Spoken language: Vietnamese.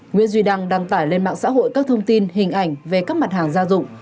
nguyễn duy đăng đăng tải lên mạng xã hội các thông tin hình ảnh về các mặt hàng gia dụng